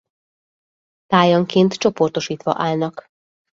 Tájanként csoportosítva állnak.